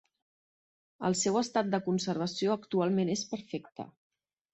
El seu estat de conservació actualment és perfecte.